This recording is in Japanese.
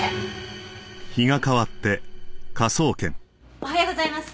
おはようございます。